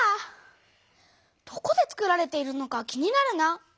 どこでつくられているのか気になるな。